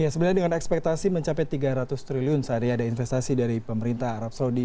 sebenarnya dengan ekspektasi mencapai tiga ratus triliun sehari ada investasi dari pemerintah arab saudi